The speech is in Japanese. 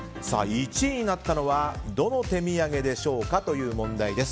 １位になったのはどの手土産でしょうかという問題です。